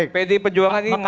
pd perjuangan ini mau selesai